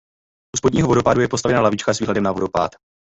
U spodního vodopádu je postavena lavička s výhledem na vodopád.